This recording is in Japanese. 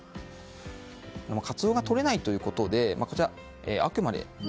カツオがとれないということで。